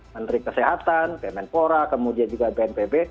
menteri kesehatan kemenpora kemudian juga bnpb